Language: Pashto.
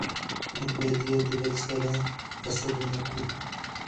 موږ بايد يو دبل سره حسد و نه کړو